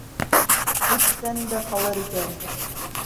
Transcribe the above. Эттән дә ҡалыр икән.